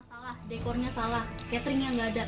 salah dekornya salah cateringnya nggak ada